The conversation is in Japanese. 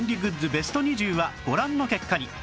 ベスト２０はご覧の結果に